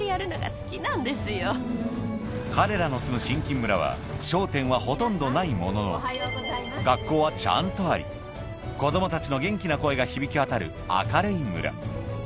彼らの住む商店はほとんどないものの学校はちゃんとあり子供たちの元気な声が響き渡る明るい村